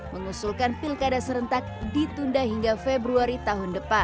mengusulkan pilkada serentak ditunda hingga februari tahun depan